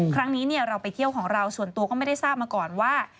ครั้งนี้เราไปเที่ยวของเราส่วนตัวก็ไม่ได้ทราบมาก่อนว่า